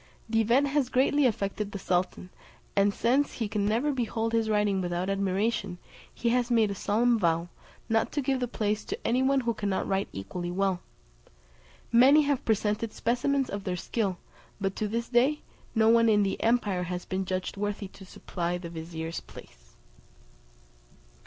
The event has greatly affected the sultan; and since he can never behold his writing without admiration, he has made a solemn vow, not to give the place to any one who cannot write equally well. Many have presented specimens of their skill; but to this day, no one in the empire has been judged worthy to supply the vizier's place."